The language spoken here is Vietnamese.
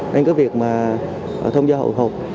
nên cái việc mà thông gia hội hộp